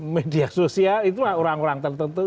media sosial itulah orang orang tertentu